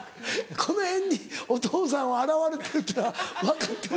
この辺にお父さんは現れてるっていうのは分かってる？